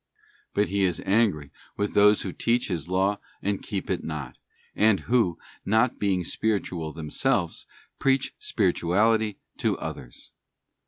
'f But He is angry with those who teach His law and keep it not, and who not being spiritual themselves, preach spirituality to others.